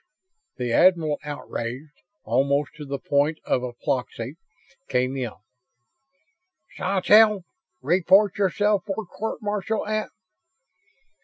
The admiral, outraged almost to the point of apoplexy, came in. "Sawtelle, report yourself for court martial at